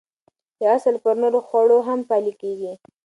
دا اصل پر نورو خوړو هم پلي کېږي.